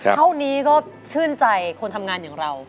เท่านี้ก็ชื่นใจคนทำงานอย่างเรา